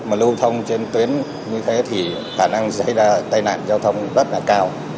mà lưu thông trên tuyến như thế thì khả năng xảy ra tai nạn giao thông rất là cao